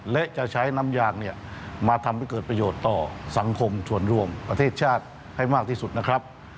และจะใช้น้ำยางเนี่ยมาทำให้เกิดประโยชน์ต่อสังคมส่วนรวมประเทศชาติให้มากที่สุดนะครับ